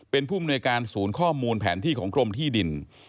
เป็นผู้มนวยการศูนย์ข้อมูลแผนที่ของกรมที่ดิน